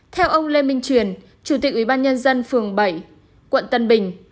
theo ông lê minh truyền chủ tịch ubnd phường bảy quận tân bình